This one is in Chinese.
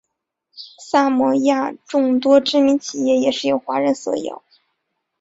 萨摩亚众多知名企业也是由华人所有。